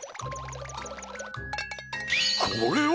これは！